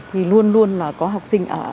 thì luôn luôn là có học sinh ở